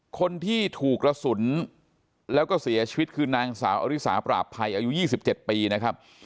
คนที่ถูกกระสุนแล้วก็เสียชีวิตคือนางสาวอริสาปราบภัยอายุ๒๗ปีนะครับ